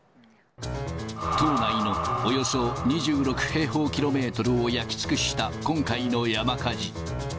島内のおよそ２６平方キロメートルを焼き尽くした今回の山火事。